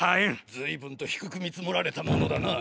随分と低く見積もられたものだな。